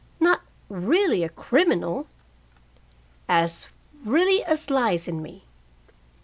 "Not really a criminal!" "As really as lies in me.